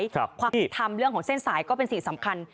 ความทำเรื่องของเส้นสายก็เป็นสิ่งสำคัญ